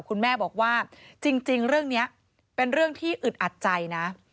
คุณแม่บอกว่าจริงเรื่องนี้เป็นเรื่องที่อึดอัดใจนะ